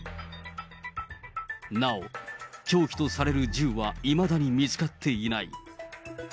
なお、凶器とされる銃はいまだに見つかっていない。